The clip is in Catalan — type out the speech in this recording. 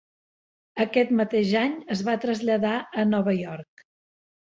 Aquest mateix any es va traslladar a Nova York.